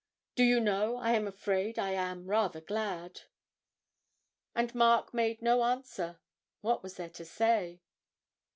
Do you know I am afraid I am rather glad?' And Mark made no answer; what was there to say?